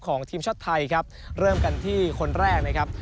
ของทีมชาติไทยครับเริ่มกันที่คนแรกนะครับ